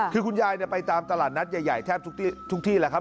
คือคุณยายไปตามตลาดนัดใหญ่แทบทุกที่แหละครับ